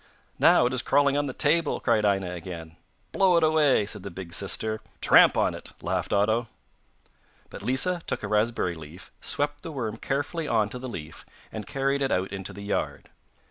'Now it is crawling on the table,' cried Aina again. 'Blow it away!' said the big sister. 'Tramp on it!' laughed Otto. But Lisa took a raspberry leaf, swept the worm carefully on to the leaf and carried it out into the yard.